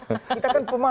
kita kan pemahaman